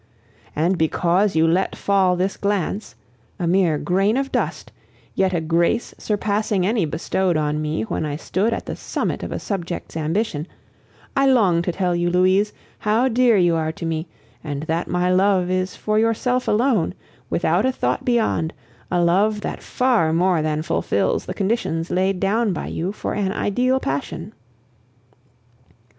"And because you let fall this glance a mere grain of dust, yet a grace surpassing any bestowed on me when I stood at the summit of a subject's ambition I long to tell you, Louise, how dear you are to me, and that my love is for yourself alone, without a thought beyond, a love that far more than fulfils the conditions laid down by you for an ideal passion.